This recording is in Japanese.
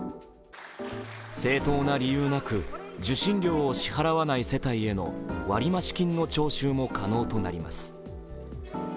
正当な理由なく、受信料を支払わない世帯への割増金の徴収も可能となります。